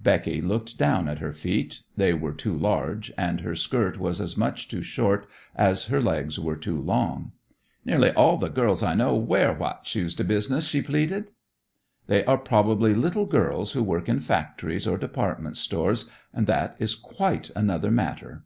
Becky looked down at her feet. They were too large, and her skirt was as much too short as her legs were too long. "Nearly all the girls I know wear white shoes to business," she pleaded. "They are probably little girls who work in factories or department stores, and that is quite another matter.